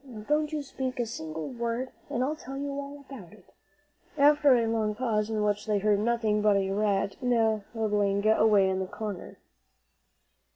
"Now, don't you speak a single word and I'll tell you all about it," after a long pause, in which they heard nothing but a rat nibbling away in the corner.